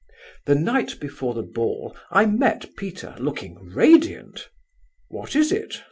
"The night before the ball I met Peter, looking radiant. 'What is it?